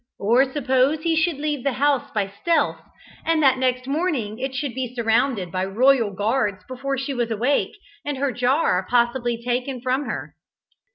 Or suppose he should leave the house by stealth, and that next morning it should be surrounded by royal guards before she was awake, and her jar possibly taken from her.